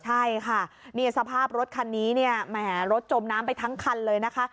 ใช่ค่ะสภาพรถคันนี้รถจมน้ำไปทั้งคันเลยนะคะ